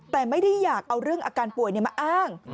แต่ไม่ได้อยากเอาเรื่องอาการป่วยมาอ้าง